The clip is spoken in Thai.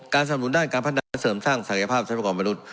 ๖การสำนุนด้านการพัฒนาเสริมสร้างศักยภาพศักดิ์ประกอบมนุษย์